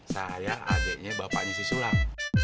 saya adeknya bapaknya si sulam